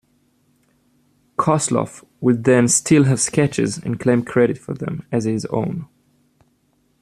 Kosloff would then steal her sketches and claim credit for them as his own.